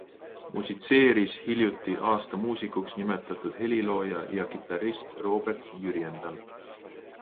Musitseeris hiljuti aasta muusikuks nimetatud helilooja ja kitarrist Robert Jürjendal.